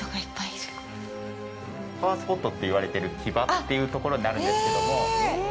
パワースポットと言われている「氣場」というところになるんですけども。